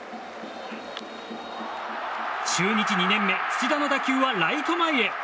中日２年目、土田の打球はライト前へ！